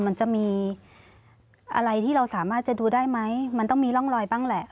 มันจะมีอะไรที่เราสามารถจะดูได้ไหมมันต้องมีร่องรอยบ้างแหละ